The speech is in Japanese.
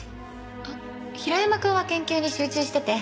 あっ平山くんは研究に集中してて。